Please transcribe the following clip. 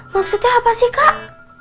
maksudnya apa sih kak